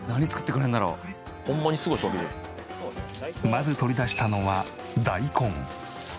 まず取り出したのは大根。